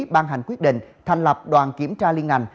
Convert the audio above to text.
ban hành quyết định thành lập đoàn kiểm tra liên ngành